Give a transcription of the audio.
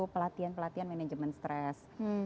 pelatihan pelatihan manajemen stres